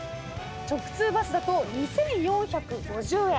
直通バスだと２，４５０円。